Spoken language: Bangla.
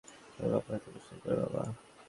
আমি তোর জন্য এত পরিশ্রম করি, বাবা।